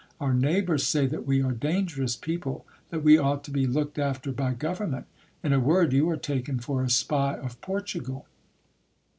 Our neighbours say that we are dangerous people, that we ought to be looked ifter by government ; in a word, you are taken for a spy of Portugal.